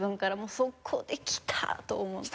そこでキター！と思って。